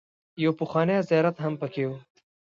يو پخوانی زيارت هم پکې و.